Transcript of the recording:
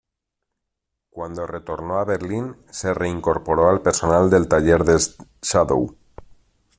Cuando retornó a Berlín, se reincorporó al personal del taller de Schadow.